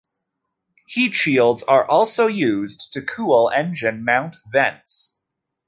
Heat shields are also used to cool engine mount vents.